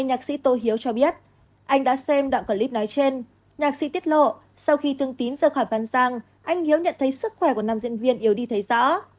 nhạc sĩ tô hiếu cho biết anh đã xem đoạn clip nói trên nhạc sĩ tiết lộ sau khi thương tín rời khỏi văn giang anh hiếu nhận thấy sức khỏe của nam diễn viên yếu đi thấy rõ